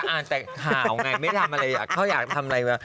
อ่านแต่ข่าวไงไม่ทำอะไรเขาอยากทำอะไรแบบ